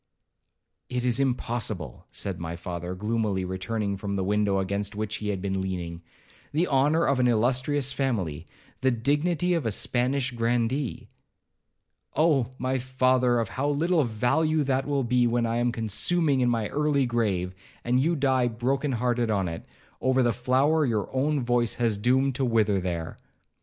'It is impossible,' said my father, gloomily returning from the window against which he had been leaning; 'the honour of an illustrious family,—the dignity of a Spanish grandee—' 'Oh! my father, of how little value will that be, when I am consuming in my early grave, and you die broken hearted on it, over the flower your own voice has doomed to wither there.'